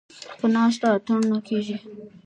ـ په ناسته اتڼ نه کېږي.